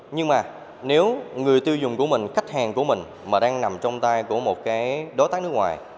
nhưng mà nếu người tiêu dùng của mình khách hàng của mình mà đang nằm trong tay của một cái đối tác nước ngoài